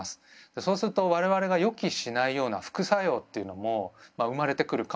そうすると我々が予期しないような副作用っていうのも生まれてくるかもしれない。